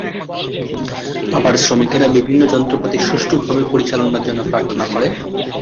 আবার শ্রমিকেরা বিভিন্ন যন্ত্রপাতি সুষ্ঠুভাবে পরিচালনার জন্য প্রার্থনা করে।